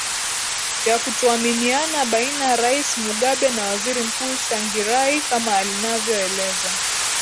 ya kutoaminiana baina rais mugabe na waziri mkuu shangirai kama anavyoeleza